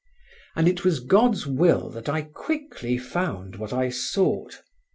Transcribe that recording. And it was God's will that I quickly found what I sought.